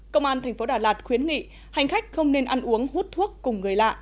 công an tp đà lạt khuyến nghị hành khách không nên ăn uống hút thuốc cùng người lạ